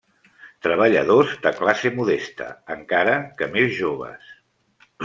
Treballadors de classe modesta, encara que més joves.